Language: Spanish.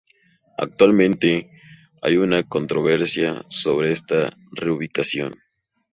Actualmente, hay una controversia sobre esta reubicación.